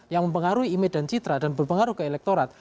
yang mempengaruhi image dan citra dan berpengaruh ke elektorat